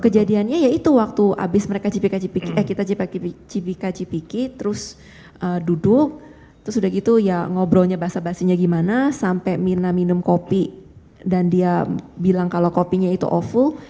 kejadiannya ya itu waktu habis mereka cipika cipiki eh kita cipika cipiki terus duduk terus udah gitu ya ngobrolnya basah basihnya gimana sampai mina minum kopi dan dia bilang kalau kopinya itu awful